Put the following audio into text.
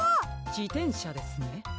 じてんしゃですね。